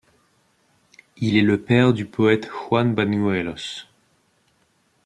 Il est le père du poète Juan Bañuelos.